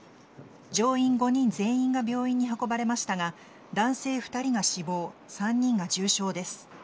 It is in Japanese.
乗員５人全員が病院に運ばれましたが男性２人が死亡３人が重傷です。